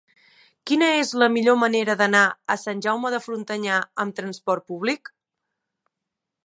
Quina és la millor manera d'anar a Sant Jaume de Frontanyà amb trasport públic?